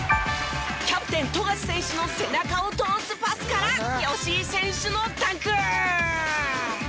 キャプテン富樫選手の背中を通すパスから吉井選手のダンク！